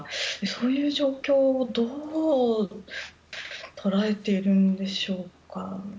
そういう状況をどう捉えているんでしょうか。